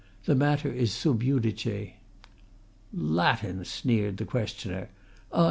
The matter is sub judice." "Latin!" sneered the questioner. "Ay!